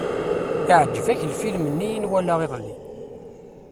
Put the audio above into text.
Iɛǧeb-ak lfilm-nni i nwala iḍelli.